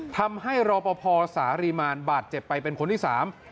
ทำให้รอปภสารีมารบาดเจ็บไปเป็นคนที่สาม